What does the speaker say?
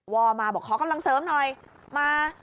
อมาบอกขอกำลังเสริมหน่อยมา